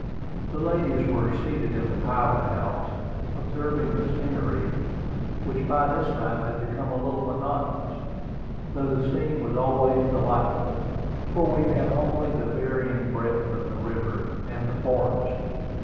The ladies were seated in the pilot house, observing the scenery, which by this time had become a little monotonous, though the scene was always delightful, for we had only the varying breadth of the river, and the forest.